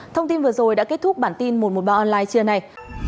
thông tin vừa rồi đã kết thúc bản tin một trăm một mươi ba online trưa nay